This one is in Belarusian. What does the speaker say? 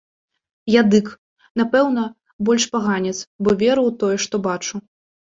Я дык, напэўна, больш паганец, бо веру ў тое, што бачу.